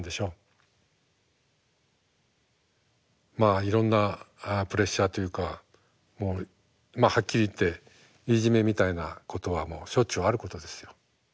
まあいろんなプレッシャーというかもうまあはっきり言っていじめみたいなことはしょっちゅうあることですよ。